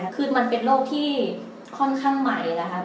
คือมันเป็นโรคที่ค่อนข้างใหม่นะครับ